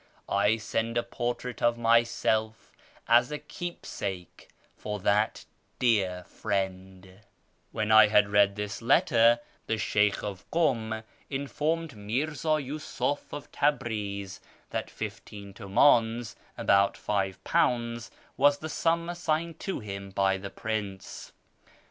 ... I send a portrait of myself as a keepsake for that dear friend." Wben I bad read tbis letter, the Sbeykb of Kum informed Mirza Yiisuf of Tabriz that fifteen tihndns (about £5) was the sum assigned to him by the prince.